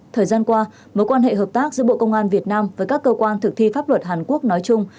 thời gian qua mối quan hệ hợp tác giữa bộ công an việt nam với các cơ quan thực thi pháp luật hàn quốc nói chung